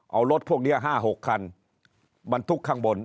เอารถพวกนี้๕๖คันบรรทุกข้างบน